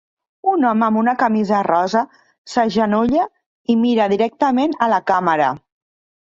Un home amb una camisa rosa s'agenolla i mira directament a la càmera.